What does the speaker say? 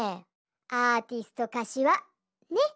「アーティストかしわ」ねっ！